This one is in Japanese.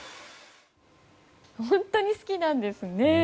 本当に好きなんですね。